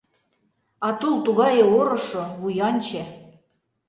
А тул тугае орышо, вуянче!